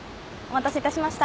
お待たせいたしました。